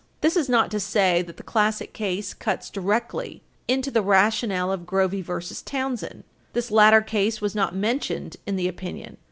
This is not to say that the Classic case cuts directly into the rationale of Grovey v. Townsend. This latter case was not mentioned in the opinion.